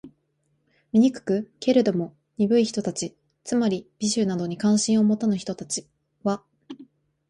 醜く？けれども、鈍い人たち（つまり、美醜などに関心を持たぬ人たち）は、